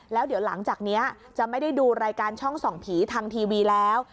แล้วเดี๋ยวหลังจากนี้จะไม่ได้ดูรายการช่องส่องผีทางทีวีแล้ว